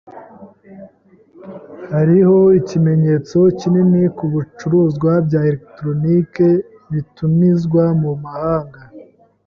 Hariho ikimenyetso kinini ku bicuruzwa bya elegitoroniki bitumizwa mu mahanga.